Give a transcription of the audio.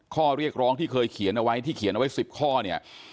ข้อเรียกร้องที่เคยเขียนเอาไว้ที่เขียนเอาไว้๑๐ข้อเนี่ย